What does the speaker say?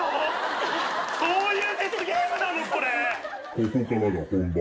ここからが本番だ。